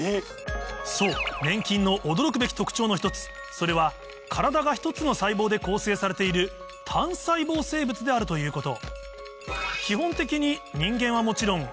そう粘菌の驚くべき特徴の１つそれは体が１つの細胞で構成されている単細胞生物であるということ